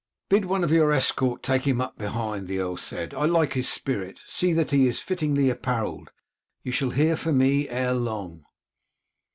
"Bid one of your escort take him up behind," the earl said, "I like his spirit. See that he is fittingly apparelled. You shall hear from me ere long."